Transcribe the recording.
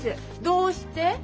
どうして？